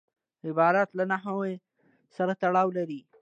عبارت له نحو سره تړاو لري.